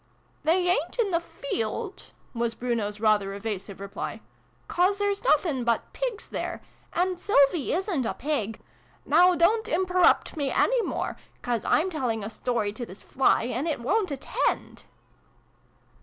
" They ain't in the field," was Bruno's rather evasive reply, " 'cause there's nothing but pigs there, and Sylvie isn't a pig. Now don't imperrupt me any more, 'cause I'm telling a story to this fly ; and it won't attend